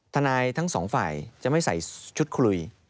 ทนายทั้งสองฝ่ายจะไม่ใส่ชุดคุย